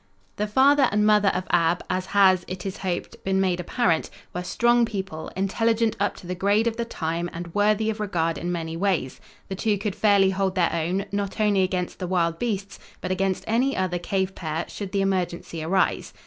The father and mother of Ab as has, it is hoped, been made apparent, were strong people, intelligent up to the grade of the time and worthy of regard in many ways. The two could fairly hold their own, not only against the wild beasts, but against any other cave pair, should the emergency arise.